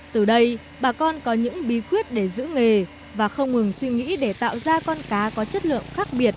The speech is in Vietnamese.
từ đây bà con có những bí quyết để giữ nghề và không ngừng suy nghĩ để tạo ra con cá có chất lượng khác biệt